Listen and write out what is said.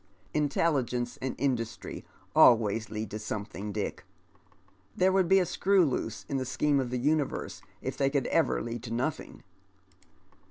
" Intelligence and industry always lead to something, Dick. Tliere would be a screw loose in the scheme of the universe if tliey could ever lead to nothing."